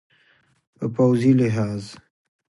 په پوځي لحاظ